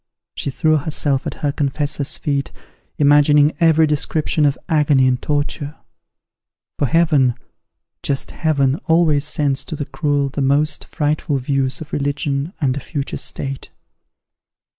She threw herself at her confessor's feet, imagining every description of agony and torture; for Heaven just Heaven, always sends to the cruel the most frightful views of religion and a future state.